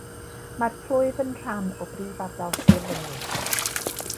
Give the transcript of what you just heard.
Mae'r plwyf yn rhan o brif ardal Sir Fynwy.